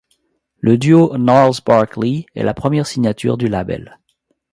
Le duo Gnarls Barkley est la première signature du label.